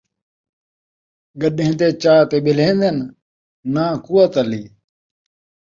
گݙان٘ھ تے چا تے ٻلہین٘دن ، ناں قوت علی